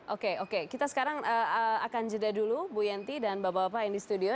oke oke kita sekarang akan jeda dulu bu yanti dan bapak bapak yang di studio